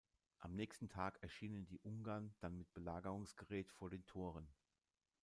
Am nächsten Tag erschienen die Ungarn dann mit Belagerungsgerät vor den Toren.